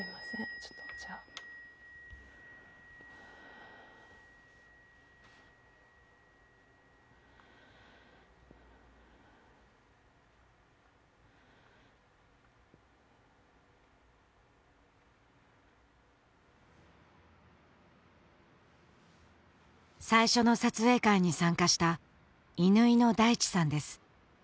ちょっとじゃあ最初の撮影会に参加した乾野大地さんです